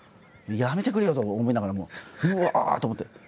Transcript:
やめてくれよと思いながらもううわあと思って。